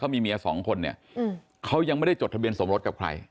มีเมียสองคนเนี่ยเขายังไม่ได้จดทะเบียนสมรสกับใคร